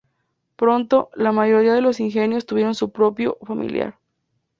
Pronto, la mayoría de los ingenios tuvieron su propio "Familiar".